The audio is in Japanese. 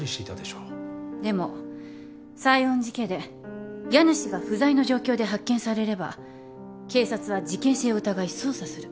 でも西園寺家で家主が不在の状況で発見されれば警察は事件性を疑い捜査する。